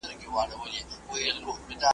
ژبه یې لمبه ده اور په زړه لري .